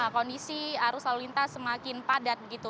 kondisi arus selalu lintas semakin padat